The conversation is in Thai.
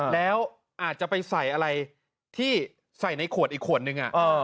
แล้วอาจจะไปใส่อะไรที่ใส่ในขวดอีกขวดนึง